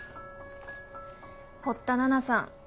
堀田奈々さん。